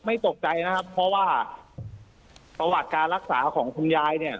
ตกใจนะครับเพราะว่าประวัติการรักษาของคุณยายเนี่ย